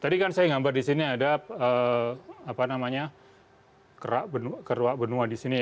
tadi kan saya gambar di sini ada apa namanya keruak benua di sini ya